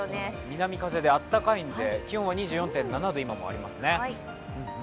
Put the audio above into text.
南風で暖かいので気温は２４．７度ありますね。